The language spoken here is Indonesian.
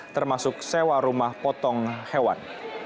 termasuk sewa rumah potong hewan